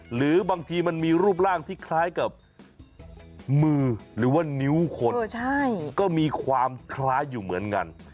หรือบางทีมันมีรูปร่างที่คล้ายกับมือหรือว่านิ้วคนก็มีความคล้ายอยู่เหมือนกัน